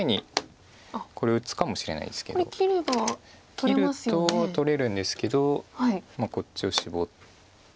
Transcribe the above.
切ると取れるんですけどこっちをシボって。